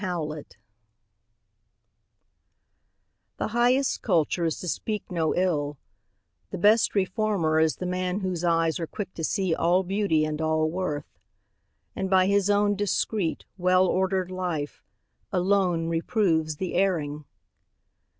TRUE CULTURE The highest culture is to speak no ill, The best reformer is the man whose eyes Are quick to see all beauty and all worth; And by his own discreet, well ordered life, Alone reproves the erring.